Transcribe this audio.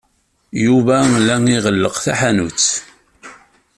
Yuba la iɣelleq taḥanut.